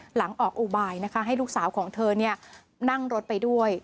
หลังออกอุบายนะคะให้ลูกสาวของเธอนั่งรถไปด้วย